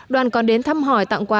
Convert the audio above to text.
đoàn còn đến thăm hỏi tặng quà